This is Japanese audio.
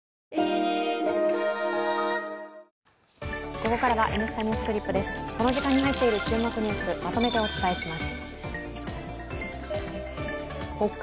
ここからは「Ｎスタ・ＮｅｗｓＣｌｉｐ」です。